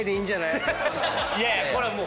いやいやこれもう。